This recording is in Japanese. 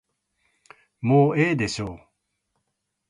もうええでしょう。